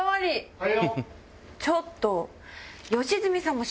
ちょっと！